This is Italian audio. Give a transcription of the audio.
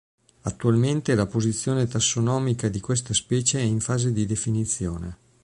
Attualmente la posizione tassonomica di questa specie è in fase di definizione.